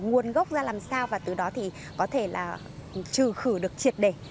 nguồn gốc ra làm sao và từ đó thì có thể là trừ khử được triệt để